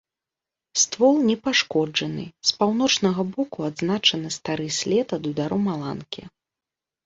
Ствол не пашкоджаны, з паўночнага боку адзначаны стары след ад удару маланкі.